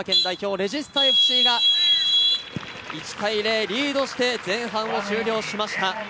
レジスタＦＣが１対０、リードして前半を終了しました。